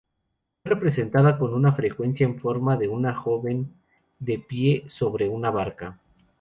Fue representada con frecuencia en forma de una joven, de pie sobre una barca.